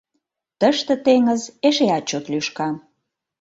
Тыште теҥыз эшеат чот лӱшка.